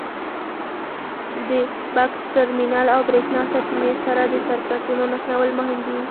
د بکس ټرمینل او برېښنا سرچینې سره د سرکټونو نښلول مهم دي.